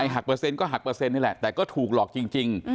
หักเปอร์เซ็นก็หักเปอร์เซ็นนี่แหละแต่ก็ถูกหลอกจริง